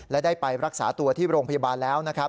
และได้ไปรักษาตัวที่โรงพยาบาลแล้วนะครับ